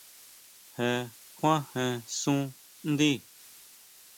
Je kjuajen sun ndí.